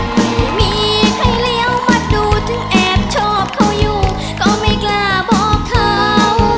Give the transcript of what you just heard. ไม่มีใครเลี้ยวมาดูถึงแอบชอบเขาอยู่ก็ไม่กล้าบอกเขา